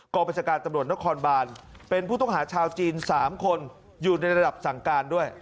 ประชาการตำรวจนครบานเป็นผู้ต้องหาชาวจีน๓คนอยู่ในระดับสั่งการด้วย